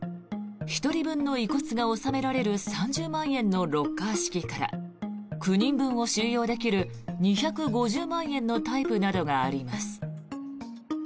１人分の遺骨が納められる３０万円のロッカー式から９人分を収容できる２５０万円のタイプなどがあります。